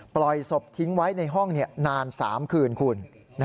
ปล่อยศพทิ้งไว้ในห้องนาน๓คืนคุณ